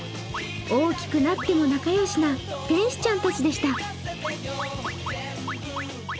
大きくなっても仲良しな天使ちゃんたちでした。